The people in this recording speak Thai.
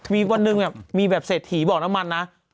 มีวันหนึ่งมีแบบเศรษฐีบอกน้ำมันนะ